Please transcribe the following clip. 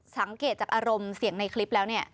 สังเกตจากอารมณ์เสียงในคลิปแล้วเนี่ย